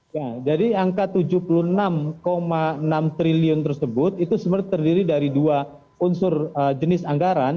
ya jadi angka tujuh puluh enam enam triliun tersebut itu sebenarnya terdiri dari dua unsur jenis anggaran